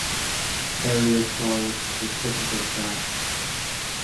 Elliot fouls the second pitch back.